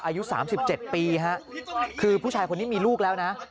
อายุสามสิบเจ็ดปีฮะคือผู้ชายคนนี้มีลูกแล้วนะ